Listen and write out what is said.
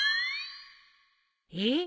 えっ？